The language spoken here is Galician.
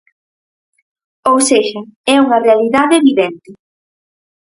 Ou sexa, é unha realidade evidente.